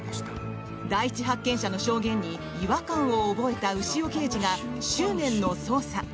第一発見者の証言に違和感を覚えた牛尾刑事が執念の捜査。